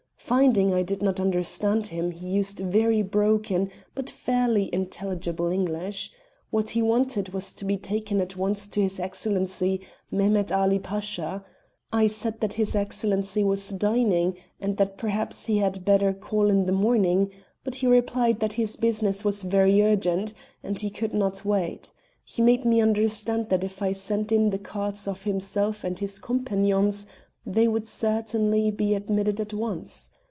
Finding I did not understand him, he used very broken, but fairly intelligible, English. What he wanted was to be taken at once to his Excellency, Mehemet Ali Pasha. I said that his Excellency was dining and that perhaps he had better call in the morning, but he replied that his business was very urgent, and he could not wait. He made me understand that if I sent in the cards of himself and his companions they would certainly be admitted at once.